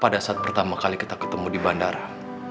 pada saat pertama kali kita ketemu di bandara